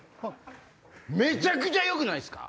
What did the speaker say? めちゃくちゃよくないっすか？